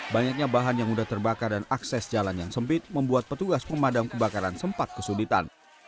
banyaknya bahan yang sudah terbakar dan akses jalan yang sempit membuat petugas pemadam kebakaran sempat kesulitan